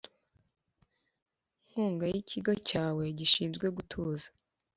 Nkunga y ikigo cyawe gishinzwe gutuza